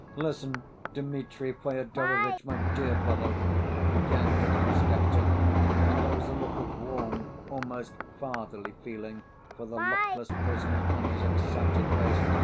"Listen, Dmitri Fyodorovitch, my dear fellow," began the police captain, and there was a look of warm, almost fatherly, feeling for the luckless prisoner on his excited face.